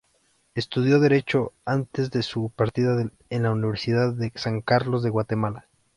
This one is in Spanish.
Estudió Derecho antes de su partida, en la Universidad de San Carlos de Guatemala.